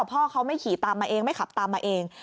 พ่อเขาไม่ขี่ตามมาเองไม่ขับตามมาเอง